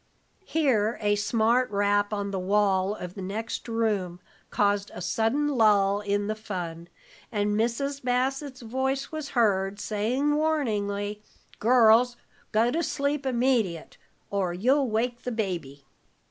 Here a smart rap on the wall of the next room caused a sudden lull in the fun, and Mrs. Bassett's voice was heard, saying warningly, "Girls, go to sleep immediate, or you'll wake the baby."